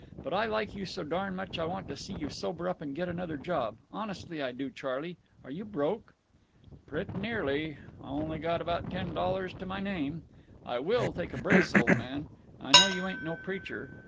But I like you so darn much I want to see you sober up and get another job. Honestly I do, Charley. Are you broke?" "Prett' nearly. Only got about ten dollars to my name…. I will take a brace, old man. I know you ain't no preacher.